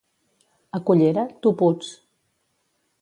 A Cullera, toputs.